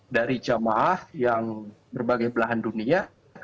dari jamaah yang berbagai belahan dunia